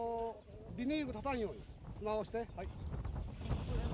ビニール立たんように砂を押して。